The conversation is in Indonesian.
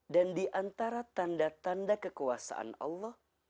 dan diantara tanda tanda kekuasaan allah